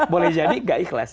boleh jadi tidak ikhlas